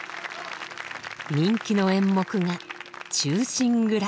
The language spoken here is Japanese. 人気の演目が「忠臣蔵」。